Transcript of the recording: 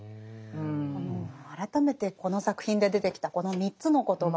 改めてこの作品で出てきたこの３つの言葉。